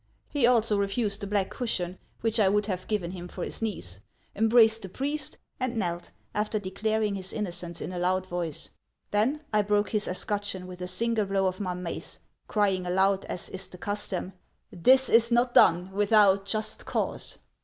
He also refused the black cushion which I would have given him for his knees, embraced the priest, and knelt, after declaring his innocence in a loud voice. Then I broke his escutcheon with a single blow of my mace, crying aloud, as is the custom, 'This is not done without just cause!'